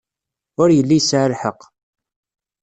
Ur yelli yesɛa lḥeqq.